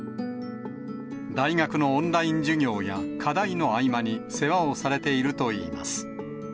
大学のオンライン授業や課題の合間に世話をされているといいます。